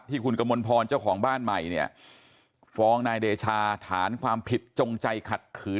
ที่คุณกมลพรเจ้าของบ้านใหม่เนี่ยฟ้องนายเดชาฐานความผิดจงใจขัดขืน